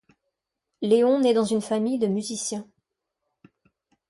Leon naît dans une famille de musicien.